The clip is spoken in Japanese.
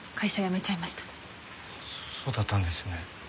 そうだったんですね。